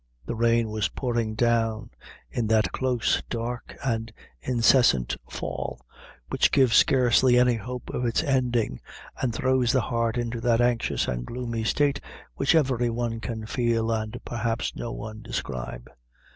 The rain was pouring down in that close, dark, and incessant fall, which gives scarcely any hope of its ending, and throws the heart into that anxious and gloomy state which every one can feel and perhaps no one describe.